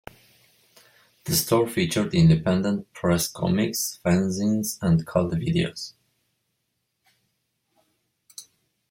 The store featured independent press comics, fanzines and cult videos.